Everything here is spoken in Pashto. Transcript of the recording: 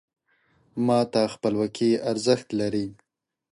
ما ته خپلواکي ارزښت لري .